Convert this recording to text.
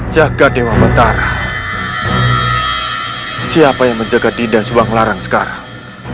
jaga dewa metara siapa yang menjaga dinda subanglarang sekarang